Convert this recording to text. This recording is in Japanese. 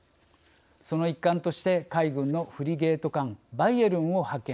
その一環として海軍のフリゲート艦バイエルンを派遣。